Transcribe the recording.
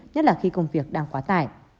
nhất là khi công việc đang quá tải